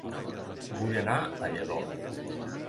Vull anar a Lladó